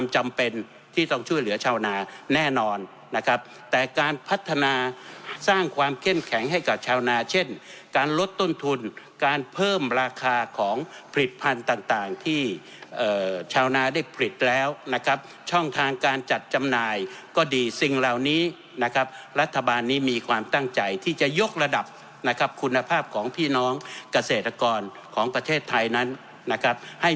จำเป็นที่ต้องช่วยเหลือชาวนาแน่นอนนะครับแต่การพัฒนาสร้างความเข้มแข็งให้กับชาวนาเช่นการลดต้นทุนการเพิ่มราคาของผลิตภัณฑ์ต่างที่ชาวนาได้ผลิตแล้วนะครับช่องทางการจัดจำหน่ายก็ดีสิ่งเหล่านี้นะครับรัฐบาลนี้มีความตั้งใจที่จะยกระดับนะครับคุณภาพของพี่น้องเกษตรกรของประเทศไทยนั้นนะครับให้